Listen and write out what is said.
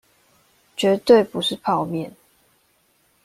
絕對不是泡麵